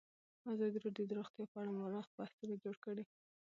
ازادي راډیو د روغتیا په اړه پراخ بحثونه جوړ کړي.